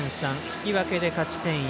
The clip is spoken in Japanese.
引き分けで勝ち点１。